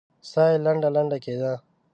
ساه يې لنډه لنډه کېده.